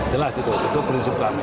jelas itu itu prinsip kami